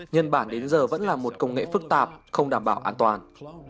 nhân bản đến giờ vẫn là một công nghệ phức tạp không đảm bảo an toàn